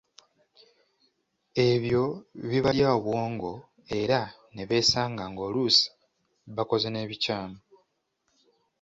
Ebyo bibalya obwongo era ne beesanga ng'oluusi bakoze n'ebikyamu.